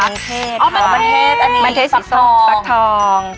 มันเทศอ๋อมันเทศมันเทศสีสองปักทอง